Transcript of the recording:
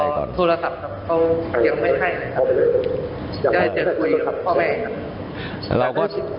ตัวโทรศัพท์เขายังไม่ให้ครับยังคุยกับพ่อแม่ครับ